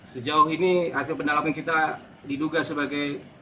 sejauh ini hasil pendalaman kita diduga sebagai